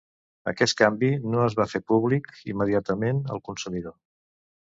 Aquest canvi no es va fer públic immediatament al consumidor.